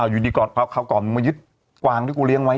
อยู่ดีคราวก่อนมึงมายึดกวางที่กูเลี้ยงไว้